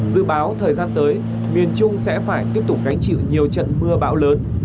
dự báo thời gian tới miền trung sẽ phải tiếp tục gánh chịu nhiều trận mưa bão lớn